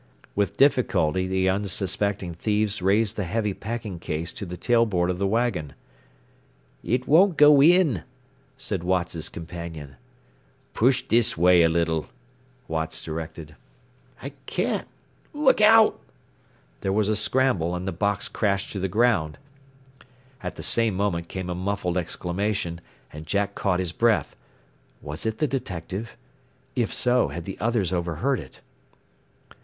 With difficulty the unsuspecting thieves raised the heavy packing case to the tail board of the wagon. "It won't go in," said Watts' companion. "Push this way a little," Watts directed. "I can't Look out!" There was a scramble, and the box crashed to the ground. At the same moment came a muffled exclamation, and Jack caught his breath. Was it the detective? If so, had the others overheard it?